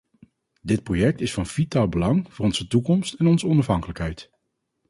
Dit project is van vitaal belang voor onze toekomst en onze onafhankelijkheid.